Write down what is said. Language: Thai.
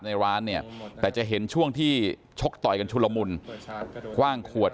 ในร้านเนี่ยแต่จะเห็นช่วงที่ชกต่อยกันชุลมุนคว่างขวด